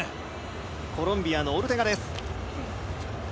コロンビアのオルテガです。